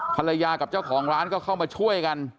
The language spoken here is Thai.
ภรรยากับเจ้าของร้านก็เข้ามาช่วยกัน